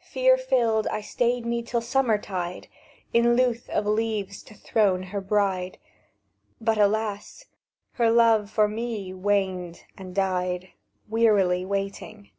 "Fear filled, I stayed me till summer tide, In lewth of leaves to throne her bride; But alas! her love for me waned and died, Wearily waiting.